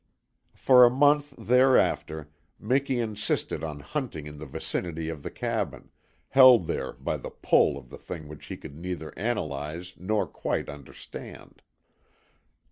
For a month thereafter Miki insisted on hunting in the vicinity of the cabin, held there by the "pull" of the thing which he could neither analyze nor quite understand.